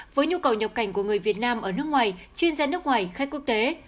với nhu cầu nhập cảnh của người việt nam ở nước ngoài chuyên gia nước ngoài khách quốc tế